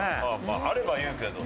あれば言うけど。